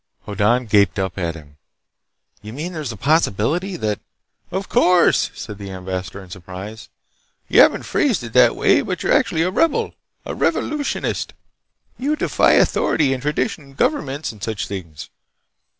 Hoddan gaped up at him. "You mean there's a possibility that—" "Of course!" said the ambassador in surprise. "You haven't phrased it that way, but you're actually a rebel. A revolutionist. You defy authority and tradition and governments and such things.